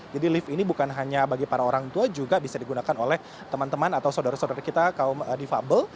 jadi lift ini bukan hanya bagi para orang tua juga bisa digunakan oleh teman teman atau saudara saudara kita kaum defable